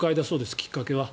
きっかけは。